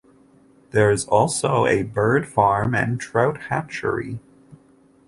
There is also a bird farm and trout hatchery.